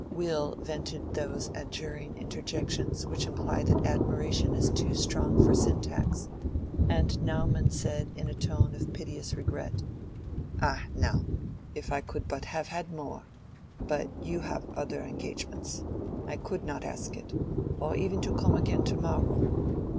Will vented those adjuring interjections which imply that admiration is too strong for syntax; and Naumann said in a tone of piteous regret— "Ah—now—if I could but have had more—but you have other engagements—I could not ask it—or even to come again to morrow."